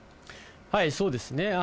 そうですね。